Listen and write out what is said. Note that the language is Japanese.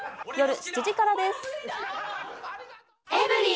夜７時からです。